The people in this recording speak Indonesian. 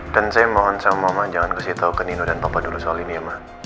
dan saya mohon sama mama jangan kasih tau ke nino dan papa dulu soal ini ya ma